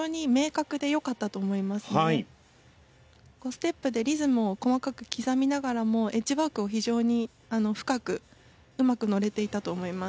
ステップでリズムを細かく刻みながらもエッジワークを非常に深くうまく乗れていたと思います。